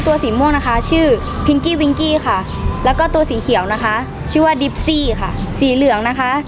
สีม่วงนะคะชื่อพิงกี้วิงกี้ค่ะแล้วก็ตัวสีเขียวนะคะชื่อว่าดิบซี่ค่ะสีเหลืองนะคะ